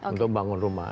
untuk membangun rumah